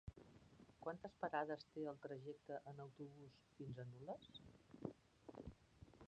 Quantes parades té el trajecte en autobús fins a Nules?